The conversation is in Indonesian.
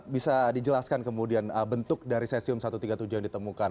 bisa dijelaskan kemudian bentuk dari cesium satu ratus tiga puluh tujuh yang ditemukan